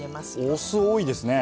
お酢多いですね。